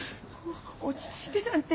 落ち着いてなんて。